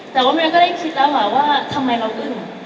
และก็ได้คิดแล้วว่าทำไมเราเอ่ง